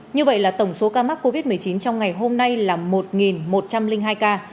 như vậy là tổng số ca mắc covid một mươi chín trong ngày hôm nay là một một trăm linh hai ca